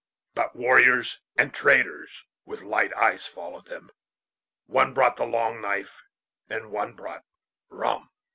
But warriors and traders with light eyes followed them. One brought the long knife and one brought rum.